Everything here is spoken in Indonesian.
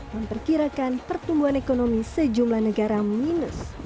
memperkirakan pertumbuhan ekonomi sejumlah negara minus